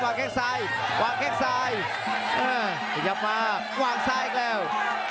วางแข็งซ้ายวางแข็งซ้ายกันยังมาวางซ้ายอีกแล้ว